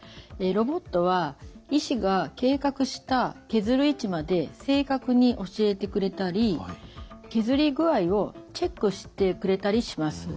ロボットは医師が計画した削る位置まで正確に教えてくれたり削り具合をチェックしてくれたりします。